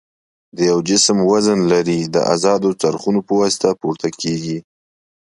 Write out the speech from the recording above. د یو جسم وزن لري د ازادو څرخونو په واسطه پورته کیږي.